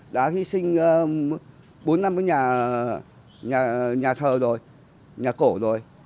đã hy sinh bốn năm với nhà thờ rồi nhà cổ rồi